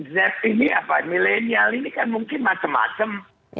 zep ini apa millennial ini kan mungkin macam macam